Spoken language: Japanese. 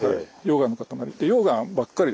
溶岩の塊。